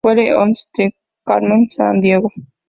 Where on Earth Is Carmen Sandiego?